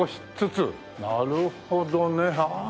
なるほどね。